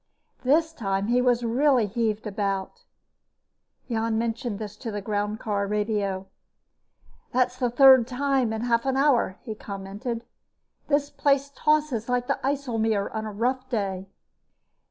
This time he was really heaved about. Jan mentioned this to the groundcar radio. "That's the third time in half an hour," he commented. "The place tosses like the IJsselmeer on a rough day."